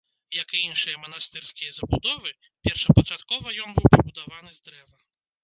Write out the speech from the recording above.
Як і іншыя манастырскія забудовы, першапачаткова ён быў пабудаваны з дрэва.